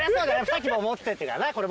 さっきもう持ってってるからな。